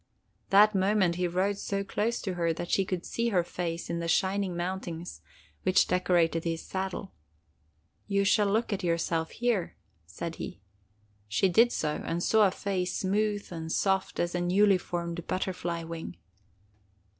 "That moment he rode so close to her that she could see her face in the shining mountings which decorated his saddle. 'You shall look at yourself here,' said he. She did so, and saw a face smooth and soft as a newly formed butterfly wing.